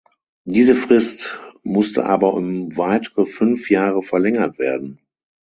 Diese Frist musste aber um weitere fünf Jahre verlängert werden.